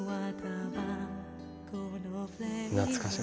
懐かしい。